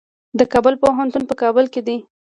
د کابل پوهنتون په کابل کې دی